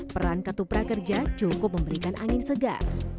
peran kartu prakerja cukup memberikan angin segar